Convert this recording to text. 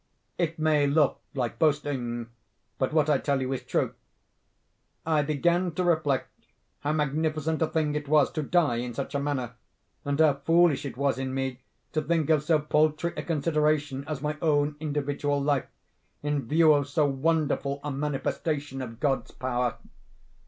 "It may look like boasting—but what I tell you is truth—I began to reflect how magnificent a thing it was to die in such a manner, and how foolish it was in me to think of so paltry a consideration as my own individual life, in view of so wonderful a manifestation of God's power.